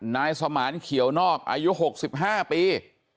นายสมร์นเขียวนอกอายุหกสิบห้าปี